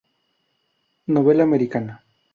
Novela americana".